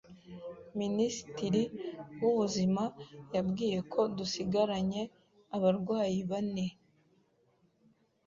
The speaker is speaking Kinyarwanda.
Minisitiri w'ubuzima yabwiye ko dusigaranye abarwayi bane